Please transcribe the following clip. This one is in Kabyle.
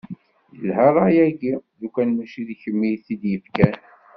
Yelha ṛṛay-agi, lukan mačči d kemm i t-id-yefkan.